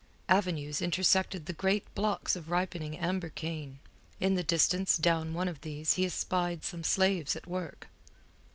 Avenues intersected the great blocks of ripening amber cane. In the distance down one of these he espied some slaves at work.